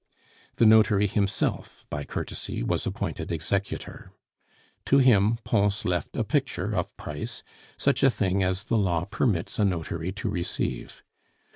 The notary himself, by courtesy, was appointed executor. To him Pons left a picture of price, such a thing as the law permits a notary to receive.